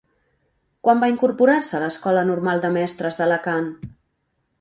Quan va incorporar-se a l'Escola Normal de Mestres d'Alacant?